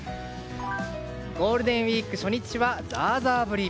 ゴールデンウィーク初日はザーザー降り。